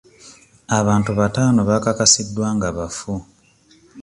Abantu bataano bakakasiddwa nga bafu.